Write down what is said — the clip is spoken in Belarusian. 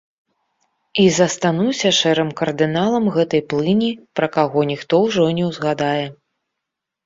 І застануся шэрым кардыналам гэтай плыні, пра каго ніхто ўжо не ўзгадае.